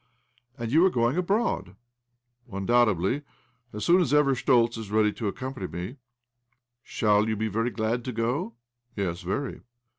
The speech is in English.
"And you are going abroad?" " Undoubtedly — as soon as ever Schtoltz is ready to accomjiany me." "Shall you be very glad to go?" "Yes, very."